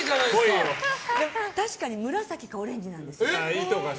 確かに紫かオレンジなんです。